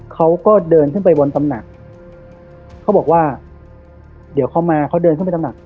เขาก็เดินขึ้นไปบนตำหนักเขาบอกว่าเดี๋ยวเขามาเขาเดินขึ้นไปตำหนัก